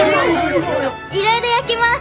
いろいろ焼きます。